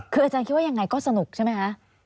คืออาจารย์คิดว่ายังไงก็สนุกใช่ไหมคะ